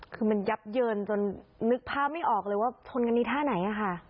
คือมันยับเยินจนนึกภาพไม่ออกเลยว่าชนกันในท่าไหนอะค่ะ